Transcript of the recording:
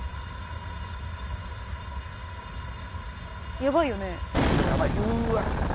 やばいよね？